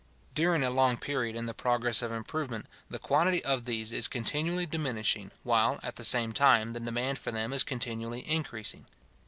During a long period in the progress of improvement, the quantity of these is continually diminishing, while, at the same time, the demand for them is continually increasing.